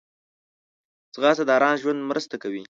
ځغاسته د آرام ژوند مرسته کوي